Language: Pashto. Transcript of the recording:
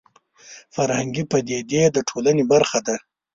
فرهنګي پدیدې د ټولنې برخه دي